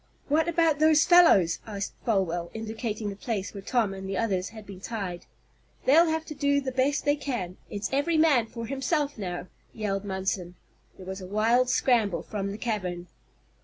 "What about those fellows?" asked Folwell, indicating the place where Tom and the others had been tied. "They'll have to do the best they can! It's every man for himself, now!" yelled Munson. There was a wild scramble from the cavern.